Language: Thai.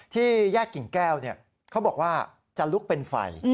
ที่แยกกิ่งแก้วเขาบอกว่าจะลุกเป็นไฟ